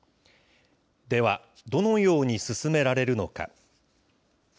では、どのように進められるのか。